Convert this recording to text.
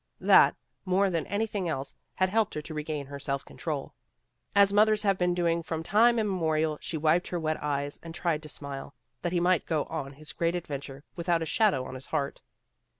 That, more than anything else, had helped her to regain her self control. As mothers have been doing from time immemorial she wiped her wet eyes and tried to smile, that he might go on his great adventure without a shadow on his heart.